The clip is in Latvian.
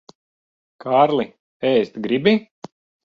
Kārli, ēst gribi?